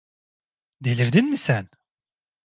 Delirdin mi sen?